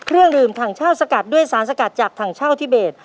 เครื่องดื่มถังเช่าสกัดด้วยสารสกัดจากถังเช่าทิเบส